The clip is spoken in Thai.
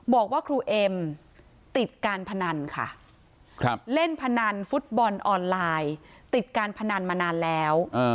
บอกว่าครูเอ็มติดการพนันค่ะเล่นพนันฟุตบอลออนไลน์ติดการพนันมานานแล้ว